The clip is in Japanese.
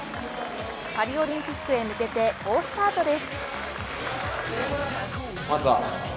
パリオリンピックへ向けて好スタートです。